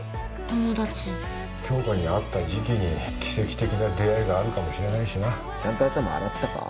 友達杏花に合った時期に奇跡的な出会いがあるかもしれないしなちゃんと頭洗ったか？